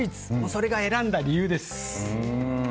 それが選んだ理由です。